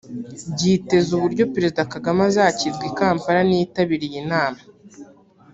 byiteze uburyo Perezida Kagame azakirwa i Kampala niyitabira iyi nama